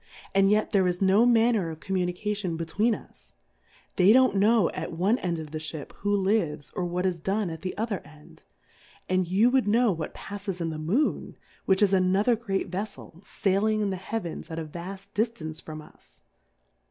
and yet there is no manner of Communication between us ; they don't know at one end of the Ship who lives, or what is done at the other end ; and you wou\l know what palTes in the Moon, which is another great Vef fel, faihng in the Heavens at a vaft di ftance from us.